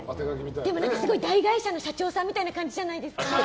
でもすごい大会社の社長さんみたいな感じじゃないですか？